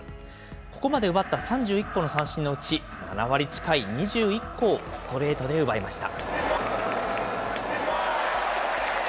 ここまで奪った３１個の三振のうち、７割近い２１個をストレートで奪いました。